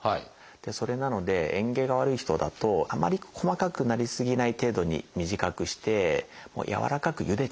それなのでえん下が悪い人だとあまり細かくなりすぎない程度に短くしてやわらかくゆでちゃう。